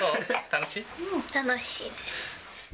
楽しいです。